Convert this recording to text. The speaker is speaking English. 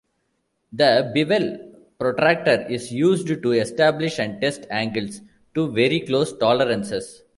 The bevel protractor is used to establish and test angles to very close tolerances.